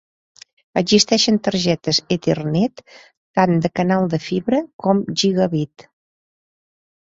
Existeixen targetes Ethernet tant de canal de fibra com Gigabit.